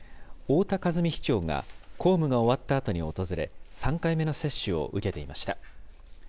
太田和美市長が公務が終わったあとに訪れ、３回目の接種を受けていました。